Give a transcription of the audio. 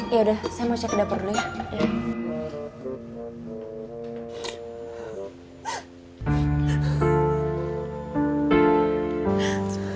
iya udah saya mau cek dapur dulu ya